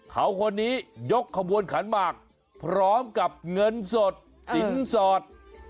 เขาคนนี้ยกขบวนขันหมากพร้อมกับเงินสดสินสอด